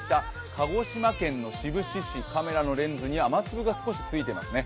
鹿児島県の志布志市、カメラのレンズに雨粒が少しついてますね。